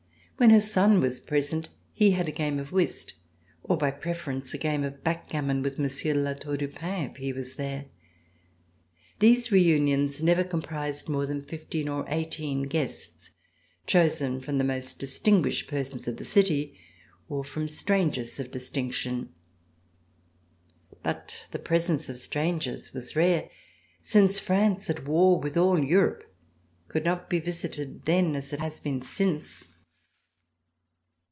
When her son was present he had a game of whist or by preference a game of backgammon with Mon sieur de La Tour du Pin, if he was there. These re unions never comprised more than fifteen or eighteen guests chosen from the most distinguished persons of the city or from strangers of distinction. But the presence of strangers was rare, since France, at war with all Europe, could not be visited then as it has been since.